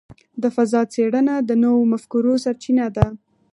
د فضاء څېړنه د نوو مفکورو سرچینه ده.